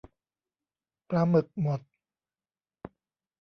ปลาหมึกหมด